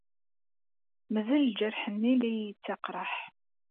Mazal ljerḥ-nni la iyi-yettaqraḥ.